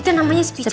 itu namanya speechless